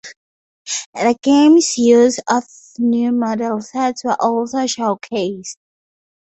The game's use of new model sets were also showcased.